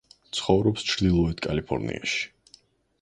ცხოვრობს ჩრდილეოთ კალიფორნიაში.